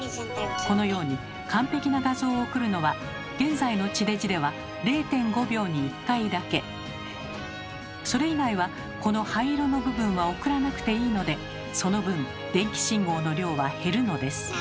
このように完璧な画像を送るのは現在の地デジではそれ以外はこの灰色の部分は送らなくていいのでその分電気信号の量は減るのです。